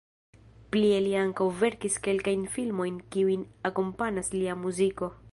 Plie li ankaŭ verkis kelkajn filmojn kiujn akompanas lia muziko.